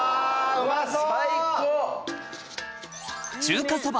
うまそう。